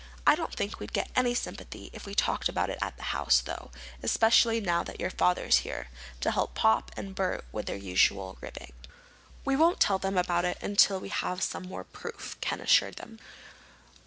I don't think we'd get any sympathy if we talked about it at the house, though—especially now that your father's here, to help Pop and Bert out with their usual ribbing." "We won't tell them about it until we have some more proof," Ken assured him.